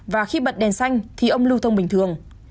và khi bật đèn xanh thì ông lưu thông bình thường